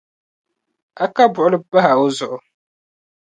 A ka buɣuli bahi o zuɣu.